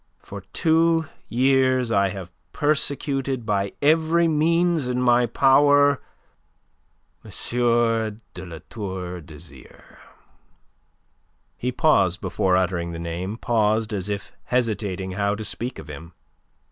For two years I have persecuted by every means in my power... M. de La Tour d'Azyr." He paused before uttering the name, paused as if hesitating how to speak of him.